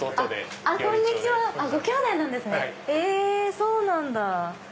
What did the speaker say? そうなんだ！